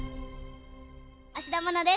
芦田愛菜です。